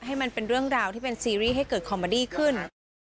ให้มันเป็นเรื่องราวที่เป็นซีรีส์ให้เกิดคอมเมอดี้ขึ้น